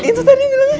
itu tadi yang bilangnya